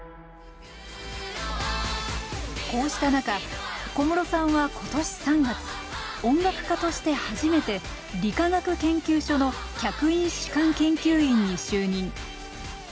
こうした中小室さんは今年３月音楽家として初めて理化学研究所の客員主管研究員に就任。